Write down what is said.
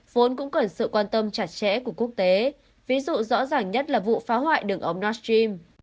vốn cũng cần sự quan tâm chặt chẽ của quốc tế ví dụ rõ ràng nhất là vụ phá hoại đường ống listream